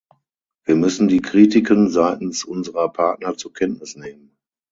Wir müssen die Kritiken seitens unserer Partner zur Kenntnis nehmen.